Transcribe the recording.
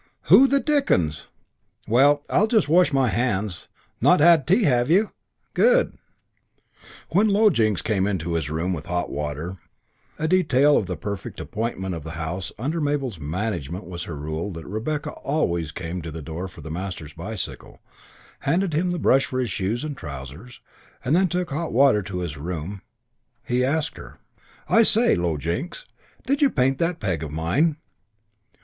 "Who the dickens ? Well, I'll just wash my hands. Not had tea, have you? Good." When Low Jinks came to his room with hot water a detail of the perfect appointment of the house under Mabel's management was her rule that Rebecca always came to the door for the master's bicycle, handed him the brush for his shoes and trousers, and then took hot water to his room he asked her, "I say, Low Jinks, did you paint that peg of mine?"